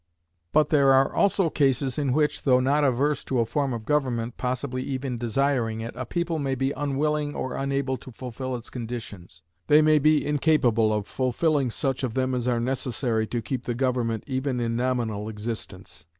But there are also cases in which, though not averse to a form of government possibly even desiring it a people may be unwilling or unable to fulfill its conditions. They may be incapable of fulfilling such of them as are necessary to keep the government even in nominal existence.